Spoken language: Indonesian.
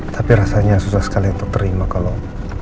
tapi rasanya susah sekali untuk terima kalau